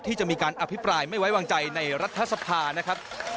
ที่จะมีการอภิปรายไม่ไว้วางใจในรัฐสภานะครับ